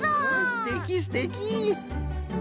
すてきすてき！